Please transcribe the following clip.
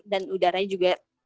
dan udaranya juga